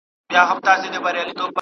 لابراتوارونه کومي معاینې ترسره کوي؟